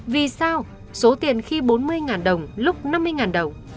vì sao số tiền khi bốn mươi đồng lúc năm mươi đồng